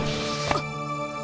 あっ！